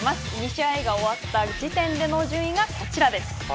２試合が終わった時点での順位です。